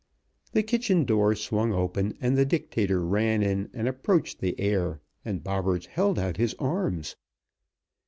The kitchen door swung open and the Dictator ran in and approached the Heir, and Bobberts held out his arms.